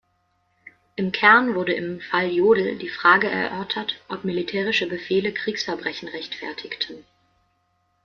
Im Kern wurde im "Fall Jodl" die Frage erörtert, ob militärische Befehle Kriegsverbrechen rechtfertigten.